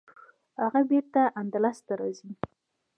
هغه بیرته اندلس ته راځي.